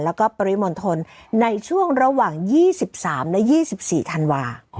แล้วก็ปริวนธนในช่วงระหว่างยี่สิบสามและยี่สิบสี่ธันวาฯ